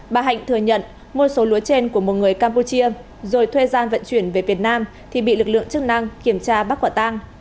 bà hạnh thừa nhận mua số lúa trên của một người campuchia rồi thuê gian vận chuyển về việt nam thì bị lực lượng chức năng kiểm tra bắt quả tang